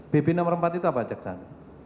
bb empat itu apa caksan